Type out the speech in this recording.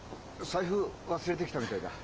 財布忘れてきたみたいだ。